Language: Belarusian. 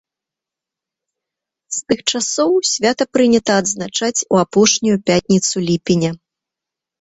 З тых часоў свята прынята адзначаць у апошнюю пятніцу ліпеня.